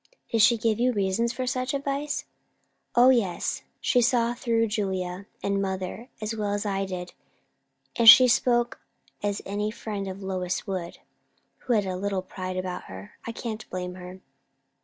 "Did she give reasons for such advice?" "O yes! She saw through Julia and mother as well as I did; and she spoke as any friend of Lois would, who had a little pride about her. I can't blame her."